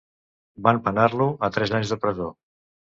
Van penar-lo a tres anys de presó.